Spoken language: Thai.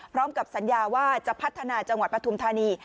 พร้อมกับสัญญาว่าจะพัฒนาจังหวัดปฐุมธานี